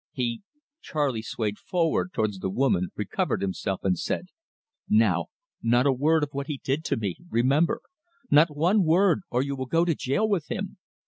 "He " Charley swayed forward towards the woman, recovered himself, and said: "Now not a word of what he did to me, remember. Not one word, or you will go to jail with him.